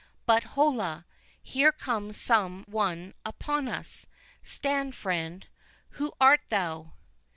—But, holla! here comes some one upon us.—Stand, friend—who art thou?"